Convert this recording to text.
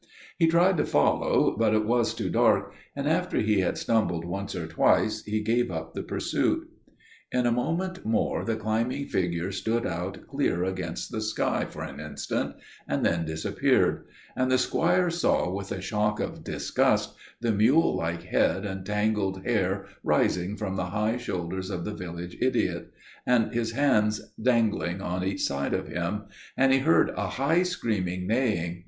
He tried to follow, but it was too dark, and after he had stumbled once or twice, he gave up the pursuit. In a moment more the climbing figure stood out clear against the sky for an instant, and then disappeared: and the squire saw with a shock of disgust the mule like head and tangled hair rising from the high shoulders of the village idiot, and his hands dangling on each side of him; and he heard a high screaming neighing.